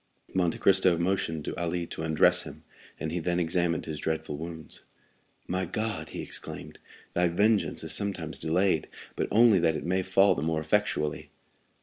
Monte Cristo motioned to Ali to undress him, and he then examined his dreadful wounds. "My God!" he exclaimed, "thy vengeance is sometimes delayed, but only that it may fall the more effectually."